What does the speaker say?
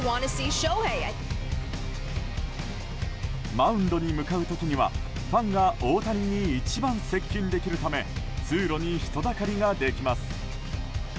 マウンドに向かう時にはファンが大谷に一番接近できるため通路に人だかりができます。